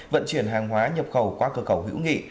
vận chuyển hàng hóa nhập khẩu qua cửa khẩu hữu nghị